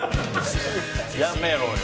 やめろよ！